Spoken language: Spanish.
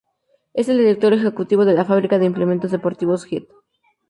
Es el director ejecutivo de la fábrica de implementos deportivos Head.